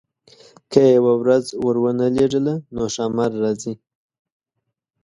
که یې یوه ورځ ورونه لېږله نو ښامار راځي.